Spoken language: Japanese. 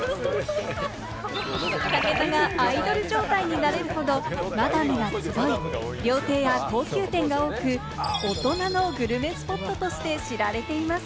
武田がアイドル状態になれるほどマダムが集い、料亭や高級店が多く、大人のグルメスポットとして知られています。